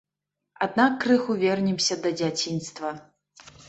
Аднак крыху вернемся да дзяцінства.